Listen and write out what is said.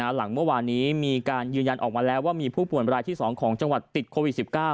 หลังเมื่อวานนี้มีการยืนยันออกมาแล้วว่ามีผู้ป่วยรายที่๒ของจังหวัดติดโควิด๑๙